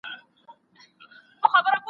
څوک د میندو د روغتیا ملاتړ کوي؟